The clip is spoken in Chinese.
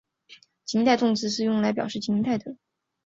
情态动词是用来表示情态的。